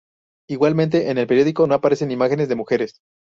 Igualmente en el periódico no aparecen imágenes de mujeres.